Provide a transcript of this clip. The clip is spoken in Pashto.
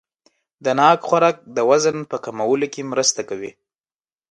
د ناک خوراک د وزن کمولو کې مرسته کوي.